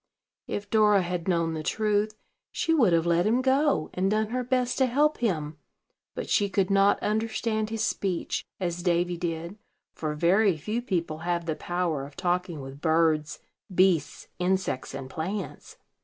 If Dora had known the truth, she would have let him go, and done her best to help him; but she could not understand his speech, as Davy did, for very few people have the power of talking with birds, beasts, insects, and plants.